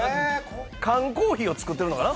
缶コーヒーを作ってるのかな？